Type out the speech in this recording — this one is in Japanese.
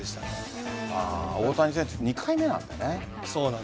大谷選手、２回目なのでね。